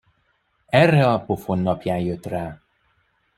Erre a pofon napján jött rá.